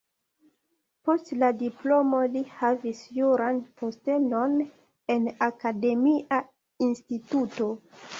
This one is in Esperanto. Post la diplomo li havis juran postenon en akademia instituto.